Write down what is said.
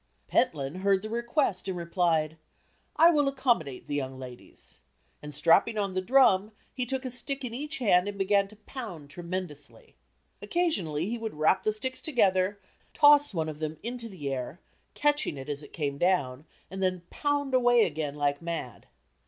Pentland heard the request and replied, "I will accommodate the young ladies," and strapping on the drum he took a stick in each hand and began to pound tremendously. Occasionally he would rap the sticks together, toss one of them into the air, catching it as it came down, and then pound away again like mad.